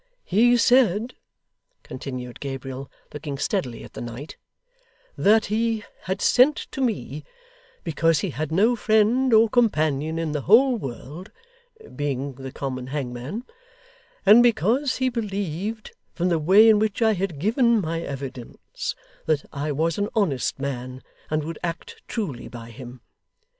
'He said,' continued Gabriel, looking steadily at the knight, 'that he had sent to me, because he had no friend or companion in the whole world (being the common hangman), and because he believed, from the way in which I had given my evidence, that I was an honest man, and would act truly by him.